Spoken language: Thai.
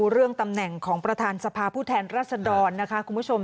เรื่องตำแหน่งของประธานสภาผู้แทนรัศดรนะคะคุณผู้ชม